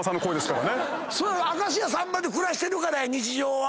それは明石家さんまで暮らしてるからや日常は。